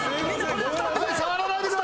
はい触らないでください！